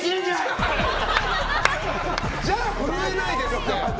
じゃあ震えないですって。